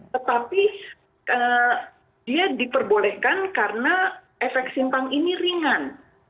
tetapi dia diperbolehkan karena efek simpang ini ringan